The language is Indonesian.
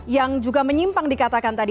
yang juga menyimpang dikatakan tadi